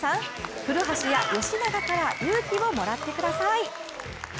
古橋や吉永から勇気をもらってください。